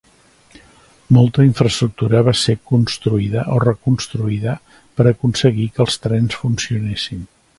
Molta infraestructura va ser construïda o reconstruïda per aconseguir que els trens funcionessin.